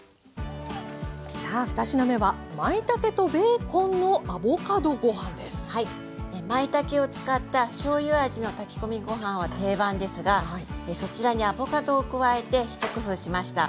さあ２品目はまいたけを使ったしょうゆ味の炊き込みご飯は定番ですがそちらにアボカドを加えて一工夫しました。